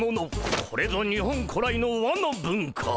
これぞ日本古来の和の文化。